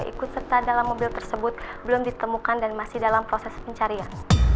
ikut serta dalam mobil tersebut belum ditemukan dan masih dalam proses pencarian